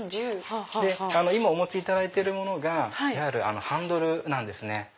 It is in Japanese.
今お持ちいただいてるものがいわゆるハンドルなんですね。